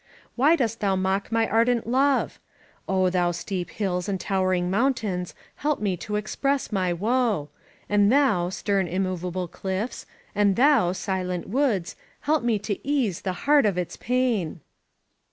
Why dost thou mock my ardent love? Oh, thou steep stills and towering mountains, help me to express my woe! And thou, stern, immovable cliffs, and thou, silent woods, help me to ease my heart of its pain.